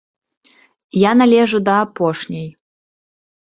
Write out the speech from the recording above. Я належу да апошняй.